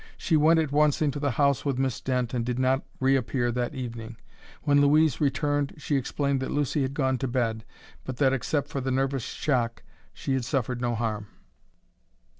She went at once into the house with Miss Dent, and did not reappear that evening. When Louise returned she explained that Lucy had gone to bed, but that, except for the nervous shock, she had suffered no harm.